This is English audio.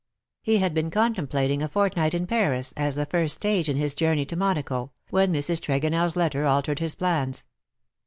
He had been contemplating a fortnight in Paris, as the first stage in his journey to Monaco, when Mrs. TregonelFs letter altered his plans.